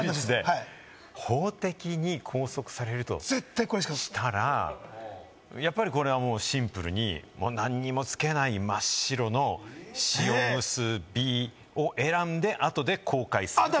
法的に拘束されるとしたら、やっぱりこれは、もうシンプルに何もつけない真っ白の塩むすびを選んで後で後悔する。